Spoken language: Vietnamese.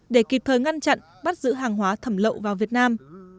để kịp thời ngăn chặn bắt giữ hàng hóa thẩm lậu vào việt nam